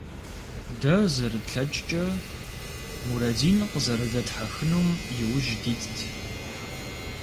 Дэ, зэрытлъэкӀкӀэ, Мурэдин къызэрыдэтхьэхынум иужь дитт.